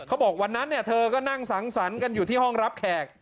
เค้าบอกวันนั้นเนี่ยเธอก็นั่งสั้นกันอยู่ที่รัพร์แขก